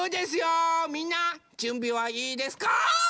みんなじゅんびはいいですか？